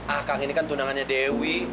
akag ini kan tunangannya dewi